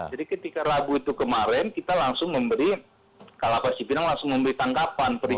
jadi ketika ragu itu kemarin kita langsung memberi kalau pak sipinang langsung memberi tangkapan